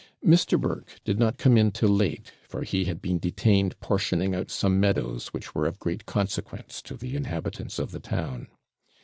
Mr. Burke did not come in till late; for he had been detained portioning out some meadows, which were of great consequence to the inhabitants of the town.